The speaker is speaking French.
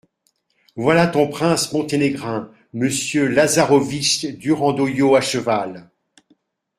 Voilà ton prince monténégrin, Monsieur Lazarowitch Durandoio à cheval !